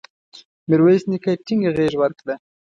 میرویس نیکه ټینګه غېږ ورکړه.